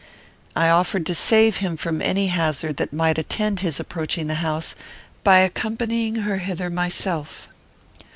I offered to save him from any hazard that might attend his approaching the house, by accompanying her hither myself.